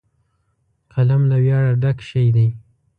قلم له ویاړه ډک شی دی